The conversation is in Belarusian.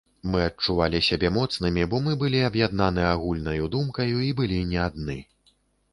Мы адчувалі сябе моцнымі, бо мы былі аб'яднаны агульнаю думкаю і былі не адны.